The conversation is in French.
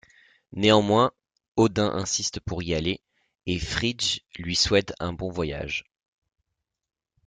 Néanmoins, Odin insiste pour y aller, et Frigg lui souhaite un bon voyage.